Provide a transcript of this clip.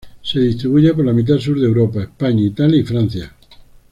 Se distribuye por la mitad sur de Europa: España, Italia y Francia.